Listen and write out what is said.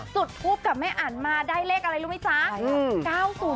จุดทูปกับแม่อันมาได้เลขอะไรรู้ไหมจ๊ะ